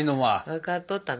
分かっとったな。